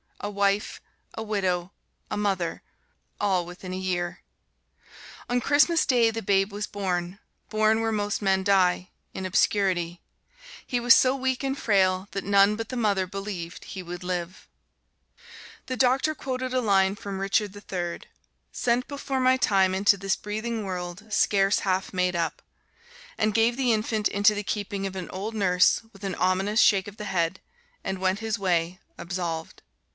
A wife, a widow, a mother all within a year! On Christmas Day the babe was born born where most men die: in obscurity. He was so weak and frail that none but the mother believed he would live. The doctor quoted a line from "Richard the Third," "Sent before my time into this breathing world scarce half made up," and gave the infant into the keeping of an old nurse with an ominous shake of the head, and went his way, absolved.